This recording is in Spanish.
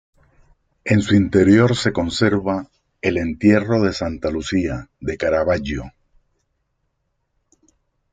En su interior se conserva "El entierro de Santa Lucía" de Caravaggio.